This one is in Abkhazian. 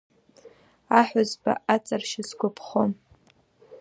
Аҳәызба аҵаршьа сгәаԥхом…